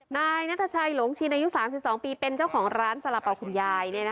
นายนัทชัยหลงชินอายุ๓๒ปีเป็นเจ้าของร้านสละเป๋าคุณยาย